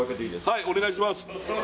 はいお願いします